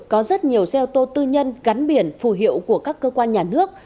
có rất nhiều xe ô tô tư nhân gắn biển phù hiệu của các cơ quan nhà nước